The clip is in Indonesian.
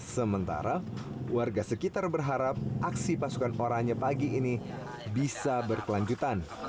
sementara warga sekitar berharap aksi pasukan oranye pagi ini bisa berkelanjutan